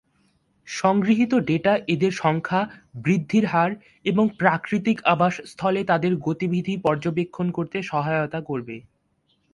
সংগৃহীত ডেটা এদের সংখ্যা, বৃদ্ধির হার এবং প্রাকৃতিক আবাসস্থলে তাদের গতিবিধি পর্যবেক্ষণ করতে সহায়তা করবে।